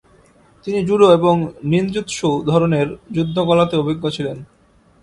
তিনি জুডো এবং নিনজৎসু ধরনের যুদ্ধ কলাতেও অভিজ্ঞ ছিলেন।